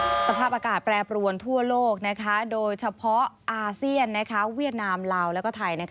สภาพอากาศแปรปรวนทั่วโลกโดยเฉพาะอาเซียนเวียดนามลาวแล้วก็ไทย